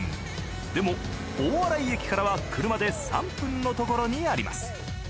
でも大洗駅からは車で３分のところにあります。